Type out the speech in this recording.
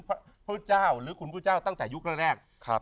พระพุทธเจ้าหรือคุณพระเจ้าตั้งแต่ยุคแรก